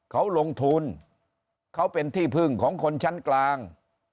เขาลงทุนเขาเป็นที่พึ่งของคนชั้นกลาง